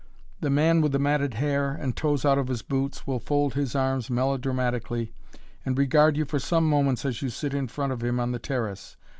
The man with the matted hair, and toes out of his boots, will fold his arms melodramatically, and regard you for some moments as you sit in front of him on the terrace.